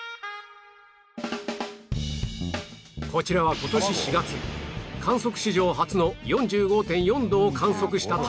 こちらは今年４月に観測史上初の ４５．４ 度を観測したタイ